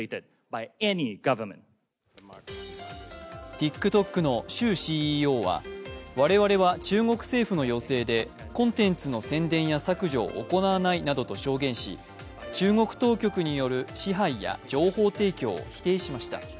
ＴｉｋＴｏｋの周ＣＥＯは我々は中国政府の要請でコンテンツの宣伝や削除を行わないなどと証言し中国当局による支配や情報提供を否定しました。